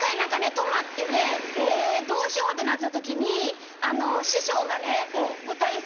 止まってねどうしようってなってた時に師匠がね舞台袖。